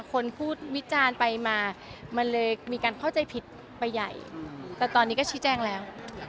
คนพูดวิจารณ์ไปมามันเลยมีการเข้าใจผิดไปใหญ่แต่ตอนนี้ก็ชี้แจ้งแล้ว